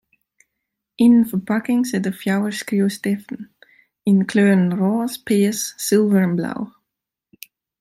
Yn in ferpakking sitte fjouwer skriuwstiften yn 'e kleuren rôs, pears, sulver en blau.